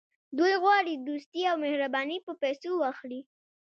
دوی غواړي دوستي او مهرباني په پیسو واخلي.